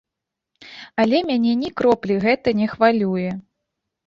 Але мяне ні кроплі гэта не хвалюе.